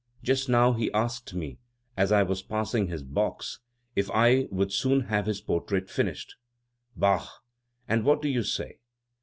Just now he asked me, as I was passing his box, if I would soon have his portrait finished." "Bah! and what did you say?"